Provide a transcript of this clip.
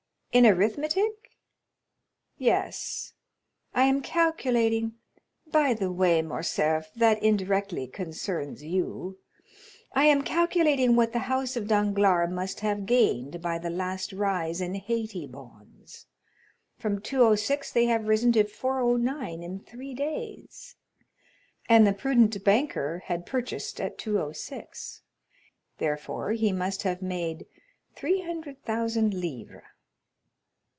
"In arithmetic?" "Yes; I am calculating—by the way, Morcerf, that indirectly concerns you—I am calculating what the house of Danglars must have gained by the last rise in Haiti bonds; from 206 they have risen to 409 in three days, and the prudent banker had purchased at 206; therefore he must have made 300,000 livres."